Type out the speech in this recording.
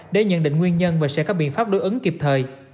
để nhận định nguyên nhân và sẽ có biện pháp đối ứng kịp thời